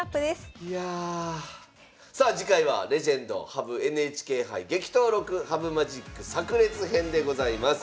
いやさあ次回は「レジェンド羽生ＮＨＫ杯激闘録羽生マジックさく裂編」でございます。